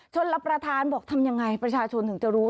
รับประทานบอกทำยังไงประชาชนถึงจะรู้